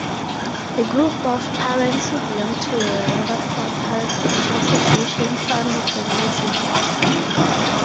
A group of parents who belonged to the Rutherford Parent-Teacher Association founded the museum.